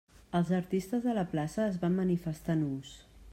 Els artistes de la plaça es van manifestar nus.